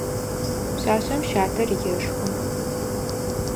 Пшъашъэм щатэр ешхы.